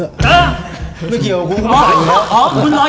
ไม่เกี่ยวกับกูมาใส่อยู่แล้ว